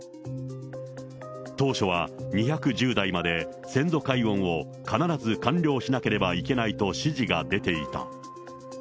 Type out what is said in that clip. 当初は２１０代まで、先祖解怨を必ず完了しなければいけないと指示が出ていた。